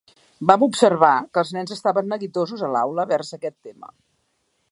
Vam observar que els nens estaven neguitosos a l’aula vers aquest tema.